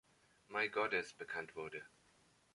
My Goddess" bekannt wurde.